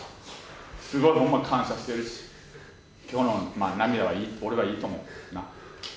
すごいほんまに感謝してるし、きょうの涙は、俺はいいと思うな。